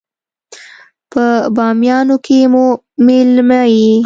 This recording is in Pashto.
په بامیانو کې مو مېلمه يې.